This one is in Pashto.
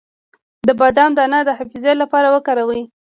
د بادام دانه د حافظې لپاره وکاروئ